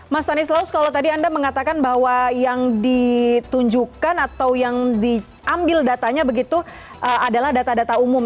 mas tanis laus kalau tadi anda mengatakan bahwa yang ditunjukkan atau yang diambil datanya begitu adalah data data umum